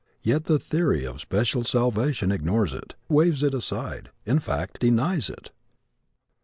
Yet the theory of special salvation ignores it, waves it aside in fact denies it!